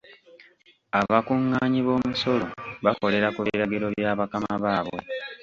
Abakungaanyi b'omusolo bakolera ku biragiro bya bakama baabwe.